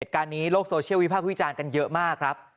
เหตุการณ์นี้โลกโซเชียลวิพากษ์วิจารณ์กันเยอะมากครับ